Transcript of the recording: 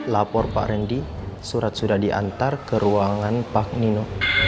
lapor pak randy surat sudah diantar ke ruangan pak nino